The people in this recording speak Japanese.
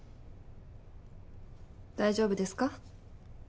大丈夫ですか？